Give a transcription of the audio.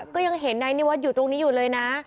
ก็ยังเห็นนายนิวัตอยู่ตรงนี้เลยนะ